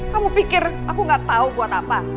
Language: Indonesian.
kamu pikir aku nggak tahu buat apa